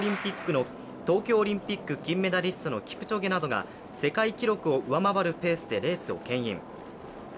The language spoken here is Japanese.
東京オリンピック金メダリストのキプチョゲなどが世界記録を上回るペースでレースをけん引。